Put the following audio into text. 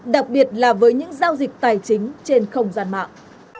đặc biệt là với những giao dịch tài chính trên không gian mạng